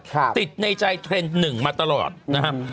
ติดในใจเทรนด์หนึ่งมาตลอดนะครับ